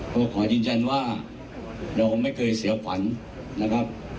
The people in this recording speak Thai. เพราะขอจริงจันว่าเราไม่เคยเสียฝันนะครับ